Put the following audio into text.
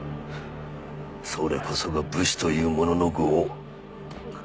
それこそが武士というものの業。